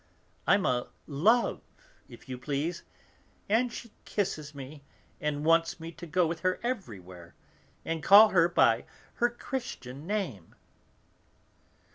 I'm a 'love,' if you please, and she kisses me, and wants me to go with her everywhere, and call her by her Christian name."